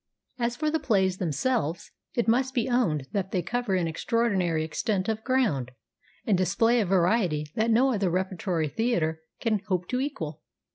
As for the plays themselves, it must be owned that they cover an extraordinary extent of ground, and display a variety that no other repertory theatre can hope to equal.